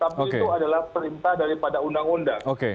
tapi itu adalah perintah daripada undang undang